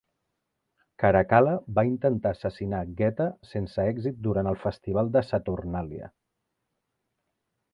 Caracalla va intentar assassinar Geta sense èxit durant el festival de Saturnalia.